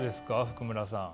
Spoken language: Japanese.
福村さん。